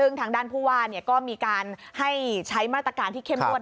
ซึ่งทางด้านผู้ว่าก็มีการให้ใช้มาตรการที่เข้มงวด